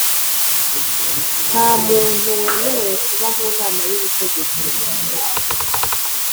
Nta muntu wemerewe kuba mu nama y ubutegetsi